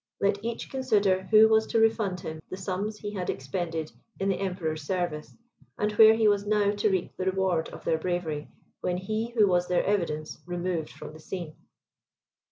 Let each consider who was to refund him the sums he had expended in the Emperor's service, and where he was now to reap the reward of their bravery, when he who was their evidence removed from the scene."